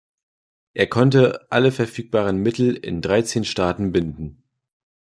Er konnte alle verfügbaren Mittel in dreizehn Staaten binden.